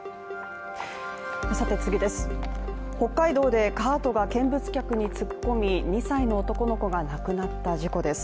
北海道でカートが見物客に突っ込み２歳の男の子が亡くなった事故です。